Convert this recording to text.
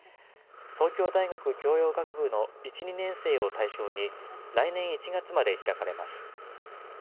東京大学教養学部の１、２年生を対象に来年１月まで開かれます。